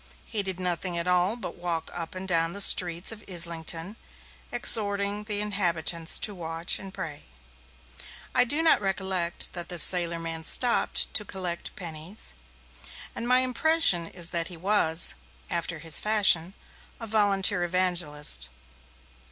He did nothing at all but walk up and down the streets of Islington exhorting the inhabitants to watch and pray. I do not recollect that this sailor man stopped to collect pennies, and my impression is that he was, after his fashion, a volunteer evangelist.